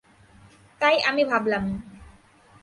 তাই আমি ভাবলাম।